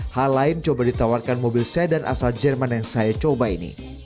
hal lain coba ditawarkan mobil sedan asal jerman yang saya coba ini